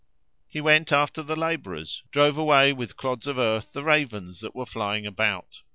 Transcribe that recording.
He went after the labourers, drove away with clods of earth the ravens that were flying about.